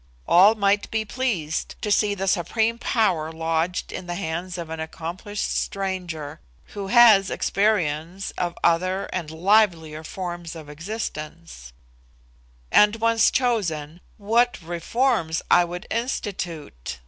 All might be pleased to see the supreme power lodged in the hands of an accomplished stranger who has experience of other and livelier forms of existence; and once chosen, what reforms I would institute!